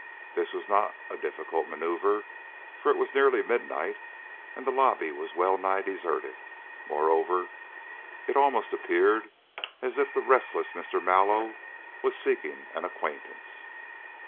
This was not a difficult maneuver, for it was nearly midnight and the lobby was well nigh deserted; moreover, it almost appeared as if the restless Mr. Mallow was seeking an acquaintance.